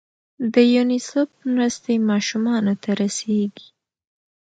د یونیسف مرستې ماشومانو ته رسیږي؟